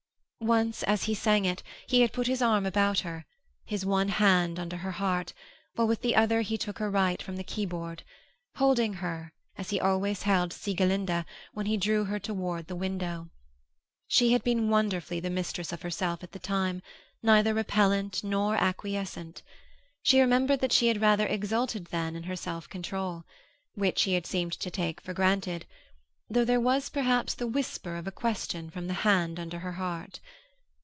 _ Once as he sang it, he had put his arm about her, his one hand under her heart, while with the other he took her right from the keyboard, holding her as he always held Sieglinde when he drew her toward the window. She had been wonderfully the mistress of herself at the time; neither repellent nor acquiescent. She remembered that she had rather exulted, then, in her self control which he had seemed to take for granted, though there was perhaps the whisper of a question from the hand under her heart.